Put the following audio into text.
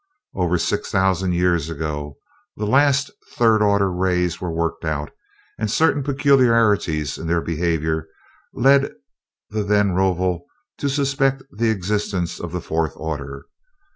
"Over six thousand years ago the last third order rays were worked out; and certain peculiarities in their behavior led the then Rovol to suspect the existence of the fourth order.